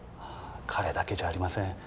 彼だけじゃありません。